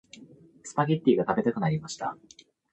スパゲッティが食べたくなりました。